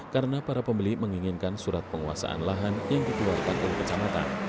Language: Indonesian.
karena para pembeli menginginkan surat penguasaan lahan yang dituarkan oleh kecamatan